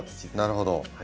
なるほど。